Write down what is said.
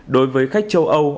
đối với khách châu âu